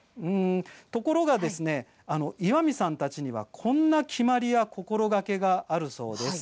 ところが岩見さんたちにはこんな決まりや心がけがあるそうです。